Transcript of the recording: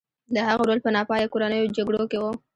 د هغه رول په ناپایه کورنیو جګړو کې و.